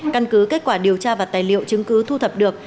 căn cứ kết quả điều tra và tài liệu chứng cứ thu thập được